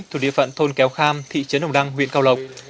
thuộc địa phận thôn kéo kham thị trấn đồng đăng huyện cao lộc